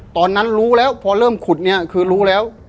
ตอนนั้นรู้แล้วพอเริ่มขุดเนี่ยคือรู้แล้ว